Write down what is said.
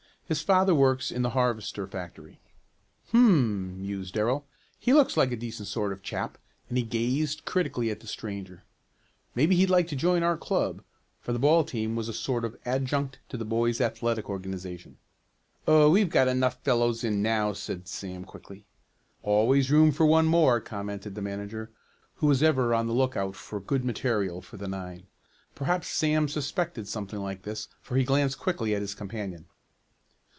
His father works in the harvester factory." "Hum," mused Darrell. "He looks like a decent sort of chap," and he gazed critically at the stranger. "Maybe he'd like to join our club," for the ball team was a sort of adjunct to a boys' athletic organization. "Oh, we've got enough fellows in now," said Sam quickly. "Always room for one more," commented the manager, who was ever on the lookout for good material for the nine. Perhaps Sam suspected something like this, for he glanced quickly at his companion.